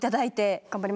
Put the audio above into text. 頑張ります。